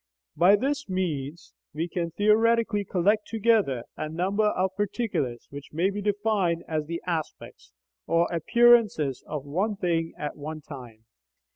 By this means we can theoretically collect together a number of particulars which may be defined as the "aspects" or "appearances" of one thing at one time.